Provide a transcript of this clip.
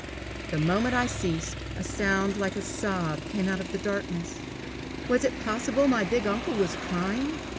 The moment I ceased, a sound like a sob came out of the darkness. Was it possible my big uncle was crying?